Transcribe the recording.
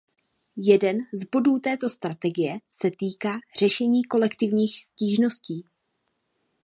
Jeden z bodů této strategie se týká řešení kolektivních stížností.